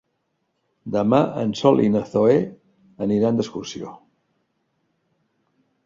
Demà en Sol i na Zoè aniran d'excursió.